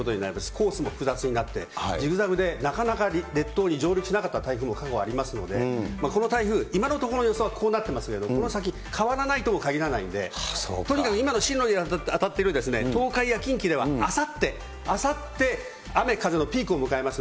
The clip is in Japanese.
コースも複雑になって、ジグザグでなかなか列島に上陸しなかった台風も過去にありますので、この台風、今のところの予想はこうなってますけれども、この先変わらないともかぎらないんで、とにかく今の進路に当たっている東海や近畿ではあさって、あさって雨風のピークを迎えます